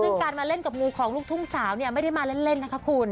ซึ่งการมาเล่นกับงูของลูกทุ่งสาวเนี่ยไม่ได้มาเล่นนะคะคุณ